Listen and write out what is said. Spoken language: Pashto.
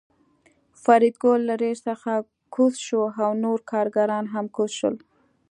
فریدګل له ریل څخه کوز شو او نور کارګران هم کوز شول